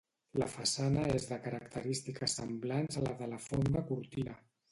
La façana és de característiques semblants a la de la fonda Cortina.